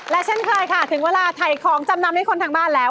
และเช่นเคยค่ะถึงเวลาถ่ายของจำนำให้คนทางบ้านแล้ว